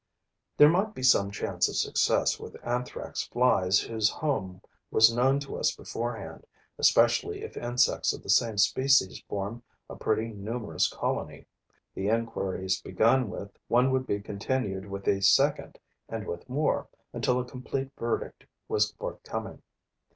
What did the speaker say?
There might be some chance of success with Anthrax flies whose home was known to us beforehand, especially if insects of the same species formed a pretty numerous colony. The inquiries begun with one would be continued with a second and with more, until a complete verdict was forthcoming.